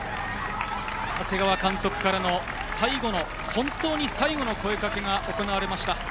長谷川監督からの最後の本当に最後の声かけが行われました。